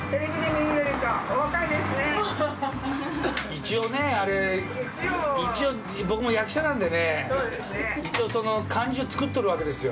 一応ね、あれ、一応、僕も役者なんでね、一応、感じをつくっとるわけですよ。